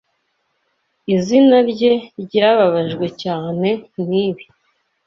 Izina rye ryababajwe cyane nibi.